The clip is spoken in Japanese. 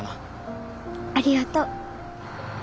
ありがとう。